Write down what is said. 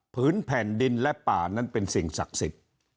แผ่นดินและป่านั้นเป็นสิ่งศักดิ์สิทธิ์